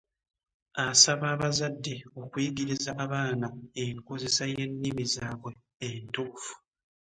Asaba abazadde okuyigiriza abaana enkozesa y'ennimi zaabwe entuufu.